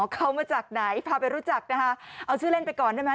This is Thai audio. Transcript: เขามาจากไหนพาไปรู้จักนะคะเอาชื่อเล่นไปก่อนได้ไหม